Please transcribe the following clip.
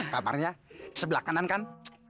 kamarnya sebelah kanan kan